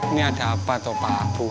ini ada apa tau pak abu